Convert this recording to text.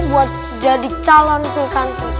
buat jadi calon pilkantri